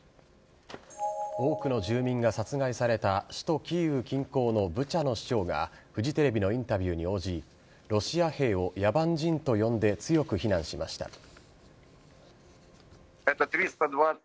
多くの住民が殺害された首都・キーウ近郊のブチャの市長がフジテレビのインタビューに応じロシア兵を野蛮人と呼んで強く非難しました。